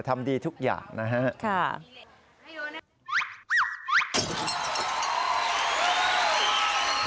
ทำดีทุกอย่างนะครับ